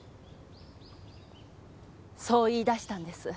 そう言い出したんです。